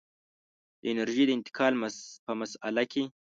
د انرژۍ د انتقال په مسأله کې.